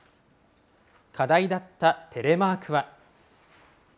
課題だったテレマークは。